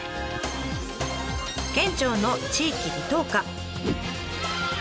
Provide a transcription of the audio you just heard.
県庁の地域・離島課。